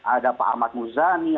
ada pak ahmad muzani